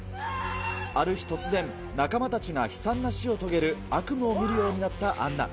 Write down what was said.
ある日突然、仲間たちが悲惨な死を遂げる悪夢を見るようになったアンナ。